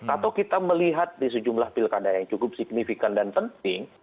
atau kita melihat di sejumlah pilkada yang cukup signifikan dan penting